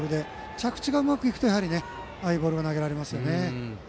着地がうまく行くと、やはりああいうボールが投げられますね。